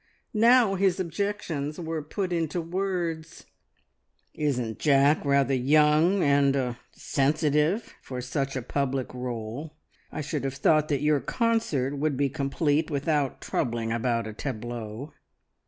Now his objections were put into words "Isn't Jack rather young and er sensitive for such a public role? I should have thought that your concert would be complete without troubling about a tableau.